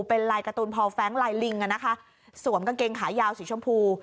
เป็นลายการ์ตูนพอแฟ้งลายลิงอ่ะนะคะสวมกางเกงขายาวสีชมพู